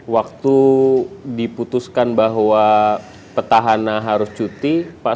waktu diputuskan bahwa petahana harus cuti